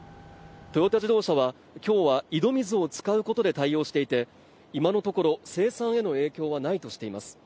トヨタ自動車は今日は井戸水を使うことで対応していて今のところ生産への影響はないとしています